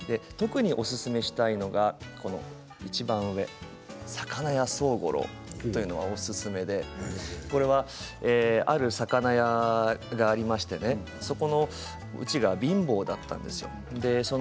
特におすすめしたいのがいちばん上、「魚屋宗五郎」というのがおすすめでこれは、ある魚屋がありましてそこのうちが貧乏だったんですよ。